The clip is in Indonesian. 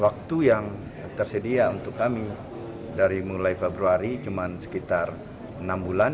waktu yang tersedia untuk kami dari mulai februari cuma sekitar enam bulan